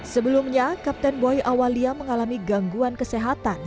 sebelumnya kapten boy awalia mengalami gangguan kesehatan